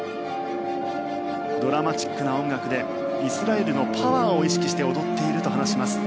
ドラマチックな音楽でイスラエルのパワーを意識して踊っていると話します。